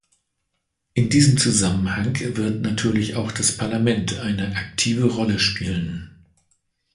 In diesem Zusammenhang wird natürlich auch das Parlament eine aktive Rolle spielen.